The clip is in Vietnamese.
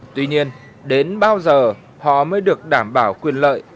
tuy nhiên đến bao giờ họ mới được đảm bảo quyền lợi